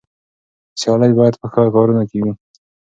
سيالي بايد په ښو کارونو کې وي.